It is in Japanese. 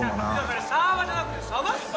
それサーバーじゃなくて鯖っすよ！